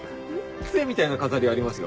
杖みたいな飾りありますよ。